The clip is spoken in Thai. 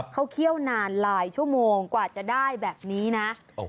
เขาเคี่ยวนานหลายชั่วโมงกว่าจะได้แบบนี้นะ